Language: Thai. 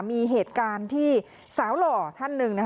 มีเหตุการณ์ที่สาวหล่อท่านหนึ่ง